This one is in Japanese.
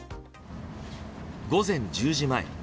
午前１０時前。